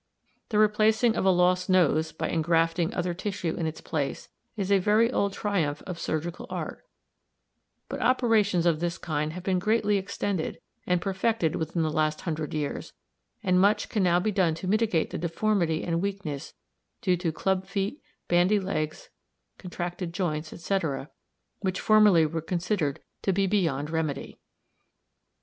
The replacing of a lost nose by engrafting other tissue in its place is a very old triumph of surgical art, but operations of this kind have been greatly extended and perfected within the last hundred years, and much can now be done to mitigate the deformity and weakness due to club feet, bandy legs, contracted joints, etc., which formerly were considered to be beyond remedy.